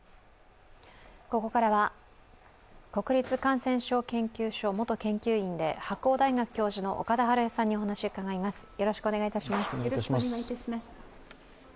ここからは国立感染症研究所元研究員で白鴎大学教授の岡田晴恵さんにお話を伺います。